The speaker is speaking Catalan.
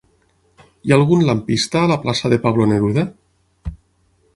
Hi ha algun lampista a la plaça de Pablo Neruda?